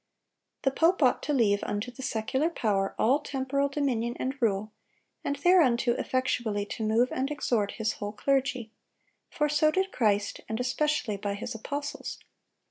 "The pope ought to leave unto the secular power all temporal dominion and rule, and thereunto effectually to move and exhort his whole clergy; for so did Christ, and especially by His apostles.